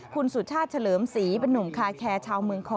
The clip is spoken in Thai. คุณสุชาติเฉลิมศรีเป็นนุ่มคาแคร์ชาวเมืองคอ